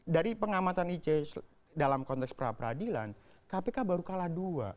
dari pengamatan ic dalam konteks pra peradilan kpk baru kalah dua